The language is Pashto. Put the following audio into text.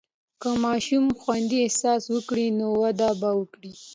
که ماشوم خوندي احساس وکړي، نو وده به وکړي.